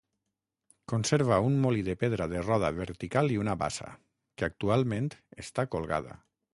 Conserva un molí de pedra de roda vertical i una bassa, que actualment està colgada.